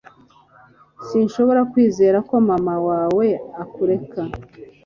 Sinshobora kwizera ko mama wawe akureka